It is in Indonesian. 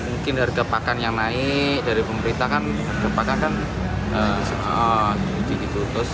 mungkin harga pakan yang naik dari pemerintah kan harga pakan kan jadi tutus